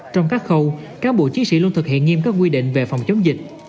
trong các khâu cán bộ chiến sĩ luôn thực hiện nghiêm các quy định về phòng chống dịch